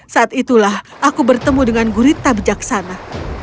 saat itulah aku bertemu dengan gurita bijaksana